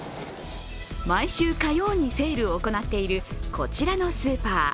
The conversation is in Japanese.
毎週火曜にセールを行っているこちらのスーパー。